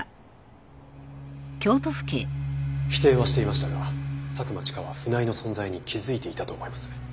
否定はしていましたが佐久間千佳は船井の存在に気づいていたと思います。